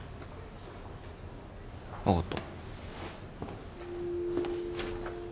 分かった。